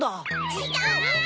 ちがう！